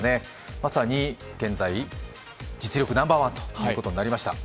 まさに現在実力ナンバーワンということになりました。